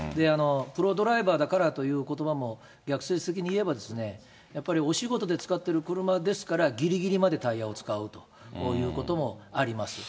プロドライバーだからということばも逆説的にいえばですね、やっぱりお仕事で使っている車ですから、ぎりぎりまでタイヤを使うということもあります。